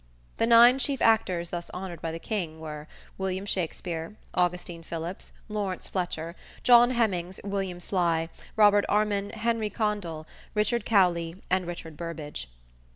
The nine chief actors thus honored by the King were William Shakspere, Augustine Phillips, Laurence Fletcher, John Hemmings, William Sley, Robert Armin, Henry Condell, Richard Cowley and Richard Burbage.